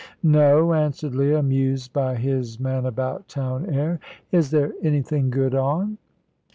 "No," answered Leah, amused by his man about town air. "Is there anything good on?"